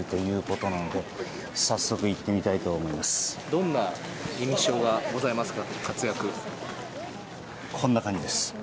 どんな印象がございますか？